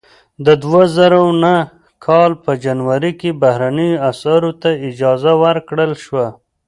د دوه زره نهه کال په جنوري کې بهرنیو اسعارو ته اجازه ورکړل شوه.